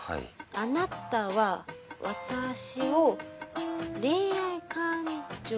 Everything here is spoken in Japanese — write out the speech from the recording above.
あなたは私を恋愛感情。